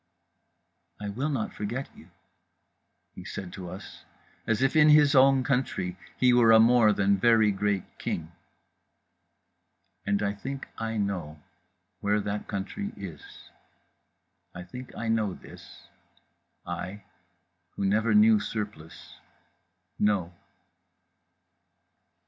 "I will not forget you," he said to us, as if in his own country he were a more than very great king … and I think I know where that country is, I think I know this; I, who never knew Surplice, know.